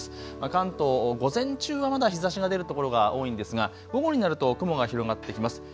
関東、午前中は日ざしが出るところが多いんですが午後になると雲が広がっていきます。